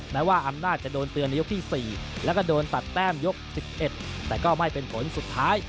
แม้ว่าอำนาจจะโดนเตือนในยกที่๔แล้วก็โดนตัดแต้มยก๑๑แต่ก็ไม่เป็นผลสุดท้าย